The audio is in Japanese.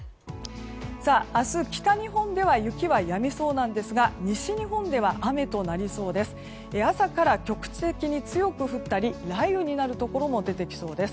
明日、北日本では雪は、やみそうなんですが西日本では雨となりそうです。